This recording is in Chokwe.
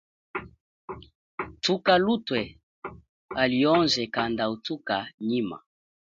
Thuka luthe halioze kanda uthuka nyima.